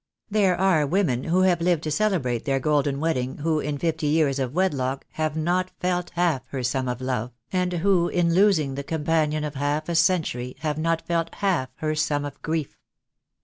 There are women who have lived to celebrate their golden wedding who in fifty years of wedlock have not felt half her sum of love, and who in losing the com panion of half a century have not felt half her sum of grief.